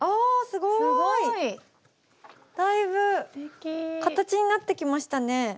すごい！だいぶ形になってきましたね。